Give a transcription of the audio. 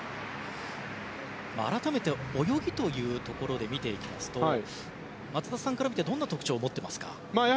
改めて、泳ぎというところで見ていきますと松田さんから見てどんな特徴を持っていますか？